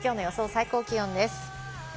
最高気温です。